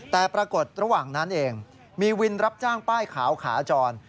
แต่ปรากฏระหว่างนั้นเองมีวินรับจ้างป้ายขาวขาจร